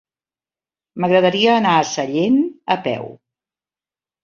M'agradaria anar a Sallent a peu.